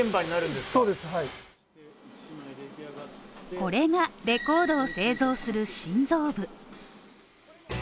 これがレコードを製造する心臓部。